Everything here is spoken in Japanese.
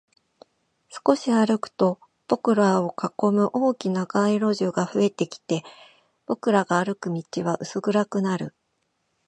少し歩くと、僕らを囲む大きな街路樹が増えてきて、僕らが歩く道は薄暗くなる